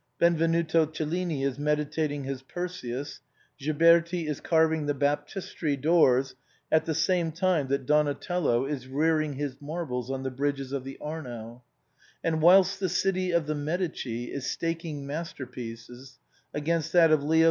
Benvenuto Cellini is meditating his Perseus, Ghiberti is carving the Baptistery doors at the same tim.e that Donatello is rearing his marbles on the bridges of the Arno ; and whilst the city of the jVIedici is staking master pieces against that of Leo X.